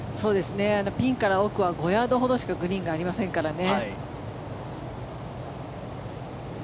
ピンから奥は５ヤードほどしかグリーンがありませんからね。